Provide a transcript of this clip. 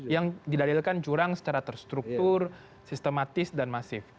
yang didalilkan jurang secara terstruktur sistematis dan masif